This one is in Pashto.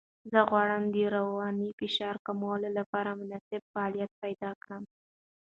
زه غواړم د رواني فشار کمولو لپاره مناسب فعالیت پیدا کړم.